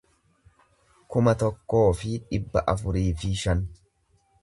kuma tokkoo fi dhibba afurii fi shan